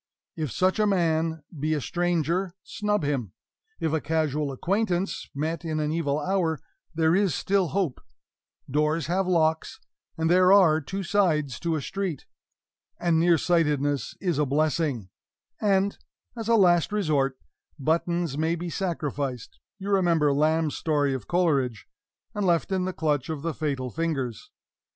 If such a man be a stranger, snub him; if a casual acquaintance, met in an evil hour, there is still hope doors have locks, and there are two sides to a street, and nearsightedness is a blessing, and (as a last resort) buttons may be sacrificed (you remember Lamb's story of Coleridge) and left in the clutch of the fatal fingers.